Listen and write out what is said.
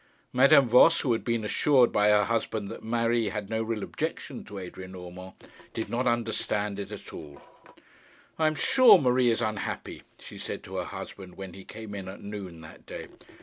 Madame Voss, who had been assured by her husband that Marie had no real objection to Adrian Urmand, did not understand it all. 'I am sure Marie is unhappy,' she said to her husband when he came in at noon that day.